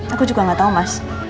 aku juga gak tahu mas